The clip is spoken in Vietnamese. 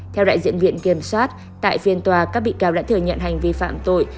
theo đại diện viện kiểm soát tại phiên tòa các bị cáo đã thừa nhận hành vi phạm tội